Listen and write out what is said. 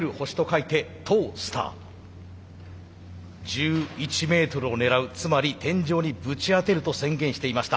１１メートルを狙うつまり天井にぶち当てると宣言していました。